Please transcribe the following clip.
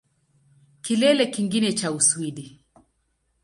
Kilele kingine cha Uswidi